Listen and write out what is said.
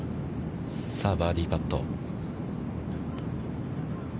さあ、バーディーパット。